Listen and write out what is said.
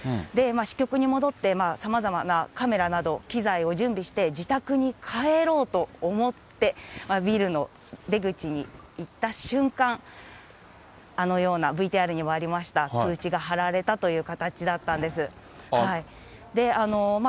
支局に戻って、さまざまなカメラなど、機材を準備して自宅に帰ろうと思って、ビルの出口に行った瞬間、あのような、ＶＴＲにもありました、通知が貼られたという形だったんです。